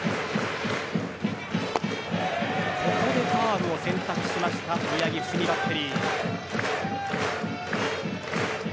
ここでカーブを選択しました宮城、伏見バッテリー。